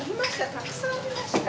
たくさんありました。